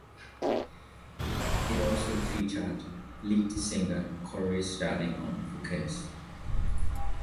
It also featured lead singer Corey Sterling on vocals.